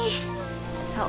そう。